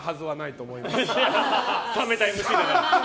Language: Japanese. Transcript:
冷めたＭＣだな！